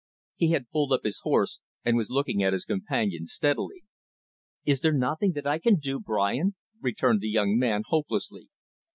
He had pulled up his horse and was looking at his companion, steadily. "Is there nothing that I can do, Brian?" returned the young man, hopelessly.